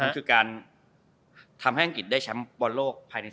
คือการทำให้อังกฤษได้แชมป์บนโลกภายใน๑๐ปี